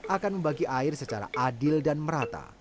akan membagi air secara adil dan merata